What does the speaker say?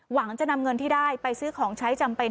หวังจะนำเงินที่ได้ไปซื้อของใช้จำเป็น